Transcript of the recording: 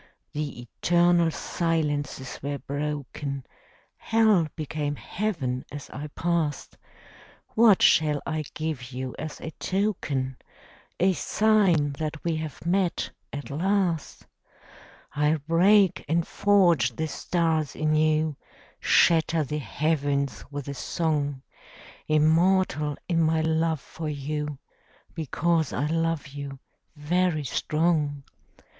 The eternal silences were broken; Hell became Heaven as I passed. What shall I give you as a token, A sign that we have met, at last? I'll break and forge the stars anew, Shatter the heavens with a song; Immortal in my love for you, Because I love you, very strong.